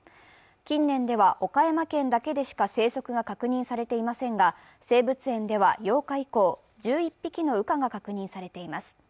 近年では岡山県だけでしか生息が確認されていませんが生物園では、８日以降１１匹の羽化が確認されています。